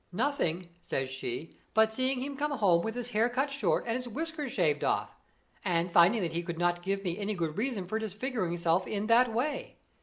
'Nothing,' says she, 'but seeing him come home with his hair cut short and his whiskers shaved off, and finding that he could not give me any good reason for disfiguring himself in that way.